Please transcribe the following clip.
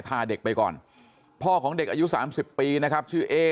พาเด็กไปก่อนพ่อของเด็กอายุ๓๐ปีนะครับชื่อเอ๊